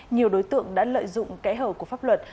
nhiều đối tượng đã lợi dụng kẽ hở của pháp luật